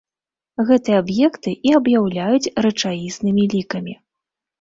Гэтыя аб'екты і аб'яўляюць рэчаіснымі лікамі.